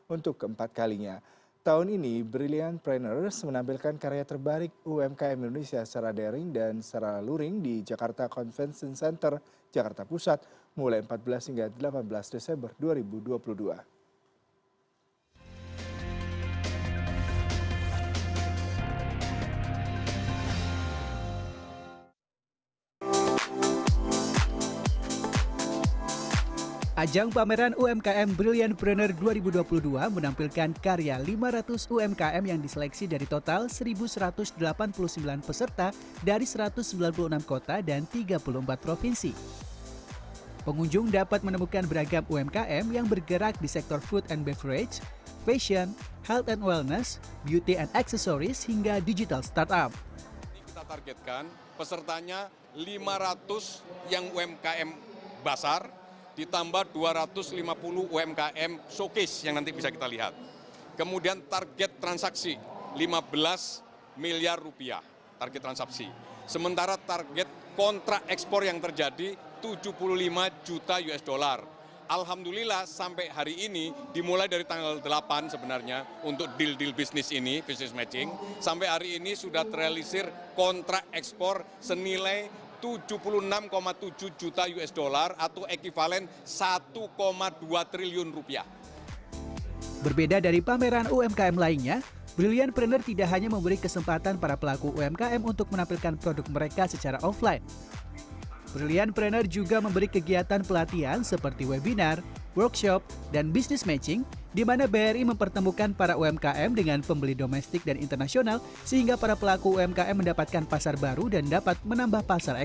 untuk keempat kalinya tahun ini brilliant praners menampilkan karya terbarik umkm indonesia secara daring dan secara luring di jakarta convention center jakarta pusat mulai empat belas hingga delapan belas desember dua ribu dua puluh dua